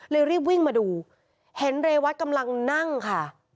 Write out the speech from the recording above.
รีบวิ่งมาดูเห็นเรวัตกำลังนั่งค่ะ